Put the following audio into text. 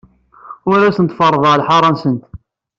Ur asent-ferrḍeɣ lḥaṛa-nsent.